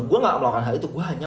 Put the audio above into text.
gue gak melakukan hal itu